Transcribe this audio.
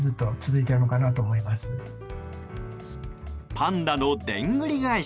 パンダのでんぐり返し。